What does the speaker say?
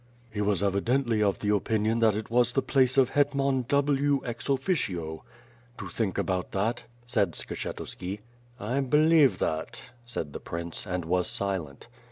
"He was evidently of the opinion that it was the place of Hetman W. ex. officio to think about that," said Skshetuski. "I believe that," said the prince, and was silent.